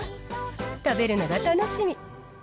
食べるのが楽しみ。